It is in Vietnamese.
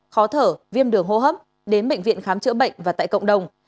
khó thở viêm đường hô hấp đến bệnh viện khám chữa bệnh và tại cộng đồng